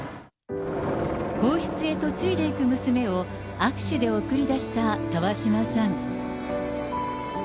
皇室へ嫁いでいく娘を、握手で送り出した川嶋さん。